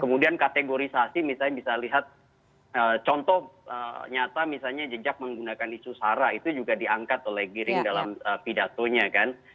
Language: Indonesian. kemudian kategorisasi misalnya bisa lihat contoh nyata misalnya jejak menggunakan isu sara itu juga diangkat oleh giring dalam pidatonya kan